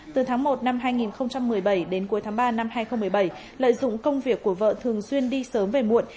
từ tháng một năm hai nghìn một mươi bảy đến cuối tháng ba năm hai nghìn một mươi bảy lợi dụng công việc của vợ thường xuyên đi sớm về muộn